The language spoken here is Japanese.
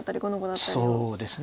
そうですね。